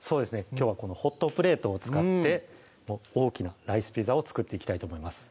きょうはこのホットプレートを使って大きな「ライスピザ」を作っていきたいと思います